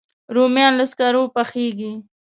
رومیان له سکرو پخېږي